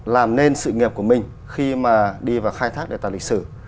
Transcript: làm nên sự nghiệp của mình khi mà đi vào khai thác đề tài lịch sử